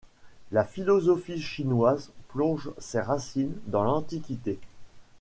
La philosophie chinoise plonge ses racines dans l'antiquité.